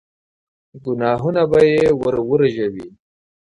ګناهونه به يې ور ورژوي.